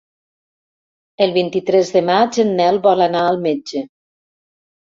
El vint-i-tres de maig en Nel vol anar al metge.